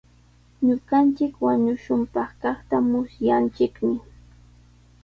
Ñuqanchik wañushunpaq kaqta musyanchikmi.